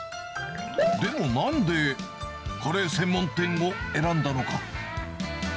でもなんで、カレー専門店を選んだのか。